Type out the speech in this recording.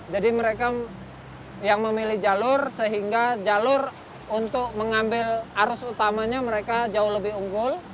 jadi mereka yang memilih jalur sehingga jalur untuk mengambil arus utamanya mereka jauh lebih unggul